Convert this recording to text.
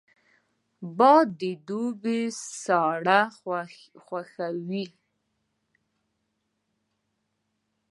باد د دوبي ساړه خوښوي